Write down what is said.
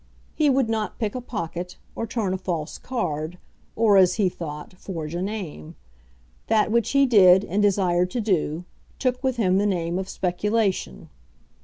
He would not pick a pocket, or turn a false card, or, as he thought, forge a name. That which he did, and desired to do, took with him the name of speculation.